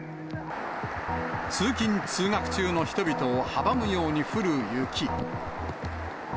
通勤・通学中の人々を阻むように降る雪。